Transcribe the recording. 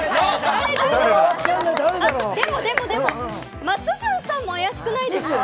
でもでも、松潤さんも怪しくないですか？